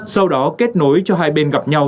sau đó kết nối cho hai bên gặp nhau